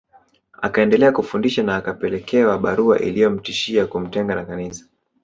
Akaendelea kufundisha na akapelekewa barua iliyomtishia kumtenga na Kanisa